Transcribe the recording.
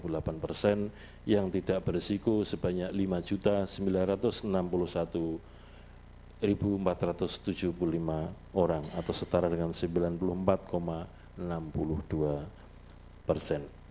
atau setara dengan lima tiga puluh delapan persen yang tidak berisiko sebanyak lima tiga ratus enam puluh satu empat ratus tujuh puluh lima orang atau setara dengan lima tiga puluh delapan persen yang tidak berisiko sebanyak lima tiga puluh delapan persen